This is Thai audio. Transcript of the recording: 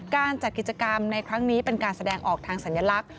การจัดกิจกรรมในครั้งนี้เป็นการแสดงออกทางสัญลักษณ์